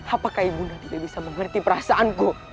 apakah ibunda tidak bisa mengerti perasaanku